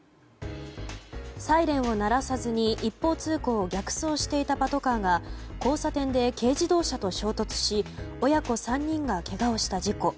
サイレンを鳴らさずに一方通行を逆走していたパトカーが交差点で軽自動車と衝突し親子３人がけがをした事故。